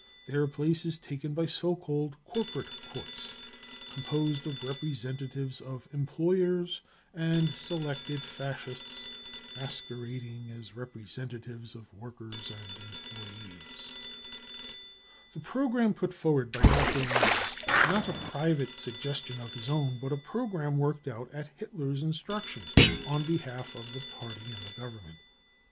Their place is taken by so called " Corporate Courts," composed of representatives of employers and selected Fascists masquerading as repre sentatives of workers and employees. The programme put forward by Dr. Ley is not a private suggestion of his own, but a programme worked out at Hitler's instructions, on behalf of the party and the Govern ment.